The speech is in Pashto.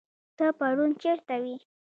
ته پرون چيرته وي